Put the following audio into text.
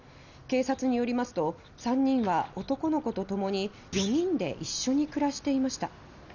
警察によりますと３人は男の子とともに４人で一緒に暮らしていました。